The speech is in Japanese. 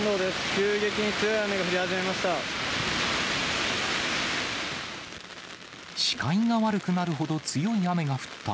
急に強い雨が降り始めました。